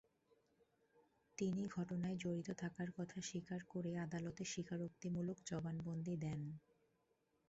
তিনি ঘটনায় জড়িত থাকার কথা স্বীকার করে আদালতে স্বীকারোক্তিমূলক জবানবন্দি দেন।